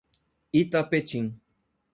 Itapetim